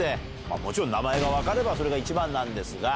もちろん名前が分かればそれが一番なんですが。